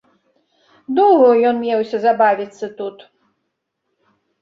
Доўга ён меўся забавіцца тут.